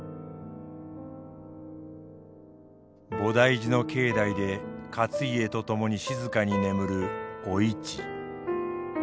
菩提寺の境内で勝家と共に静かに眠るお市。